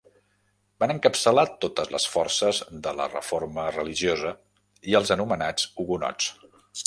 Van encapçalar totes les forces de la reforma religiosa, i els anomenats hugonots.